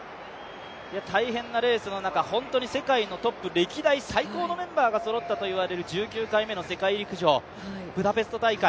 大変なレースの中、本当に世界のトップ歴代最高のメンバーがそろったといわれる１９回目の世界陸上ブダペスト大会。